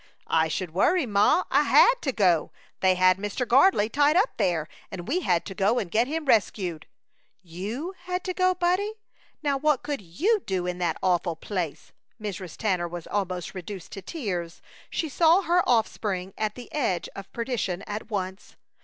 "I should worry, Ma! I had to go. They had Mr. Gardley tied up there, and we had to go and get him rescued." "You had to go, Buddie now what could you do in that awful place?" Mrs. Tanner was almost reduced to tears. She saw her offspring at the edge of perdition at once.